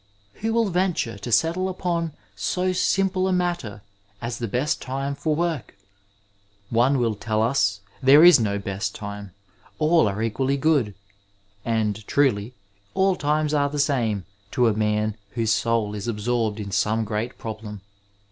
Who will venture to settie upon so simple a matter as the best time for work ? One will tell us there is no best time ; all are equally good ; and truly, all times are the same to a man whose soul is absorbed in some great problem.